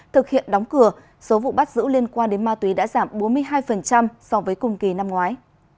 thực hiện đóng cửa số vụ bắt giữ liên quan đến ma túy đã giảm bốn mươi hai so với cùng kỳ năm ngoái